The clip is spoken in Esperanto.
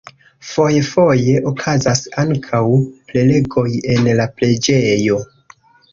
Foje-foje okazas ankaŭ prelegoj en la preĝejo.